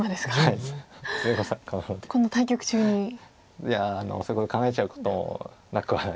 いやそういうこと考えちゃうこともなくはない。